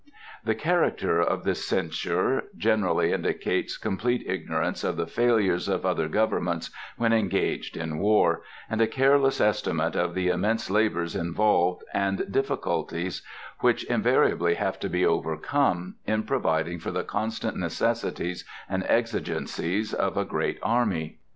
The character of this censure generally indicates complete ignorance of the failures of other governments when engaged in war, and a careless estimate of the immense labors involved, and difficulties which invariably have to be overcome, in providing for the constant necessities and exigencies of a great army.